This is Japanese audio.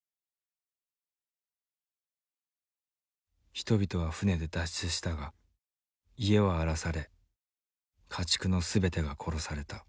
人々は船で脱出したが家は荒らされ家畜の全てが殺された。